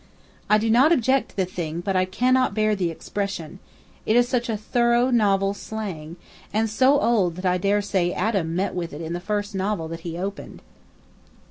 I do not object to the thing, but I cannot bear the expression: it is such thorough novel slang; and so old that I dare say Adam met with it in the first novel that he opened.'